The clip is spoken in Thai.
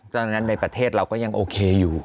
ตอนนั้นในประเทศเราก็ยังโอเคอยู่